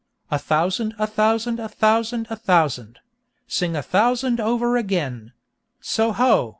A thousand, a thousand, a thousand, a thousand. Sing a thousand over again! Soho!